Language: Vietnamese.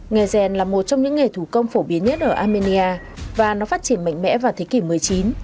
nghề rèn là một trong những nghề thủ công phổ biến nhất ở armenia và nó phát triển mạnh mẽ vào thế kỷ một mươi chín